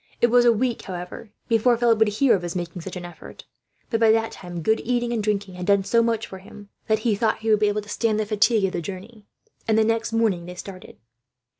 It was a week, however, before Philip would hear of his making such an effort; but by that time, good eating and drinking had done so much for him that he thought he would be able to stand the fatigue of the journey, and the next morning they started.